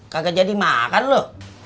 kagak jadi makan lo